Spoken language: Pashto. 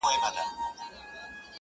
مُلا سړی سو _ اوس پر لاره د آدم راغلی _